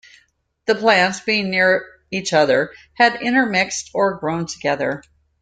The plants, being near each other, had intermixed or grown together.